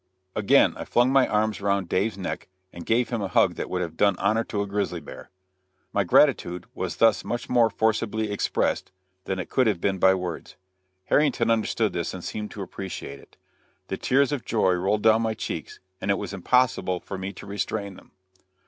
Again I flung my arms around Dave's neck and gave him a hug that would have done honor to a grizzly bear. My gratitude was thus much more forcibly expressed than it could have been by words. Harrington understood this, and seemed to appreciate it. The tears of joy rolled down my cheeks, and it was impossible for me to restrain them.